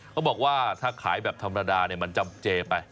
เขาบอกว่าถ้าขายแบบธรรมดามันจำเจไป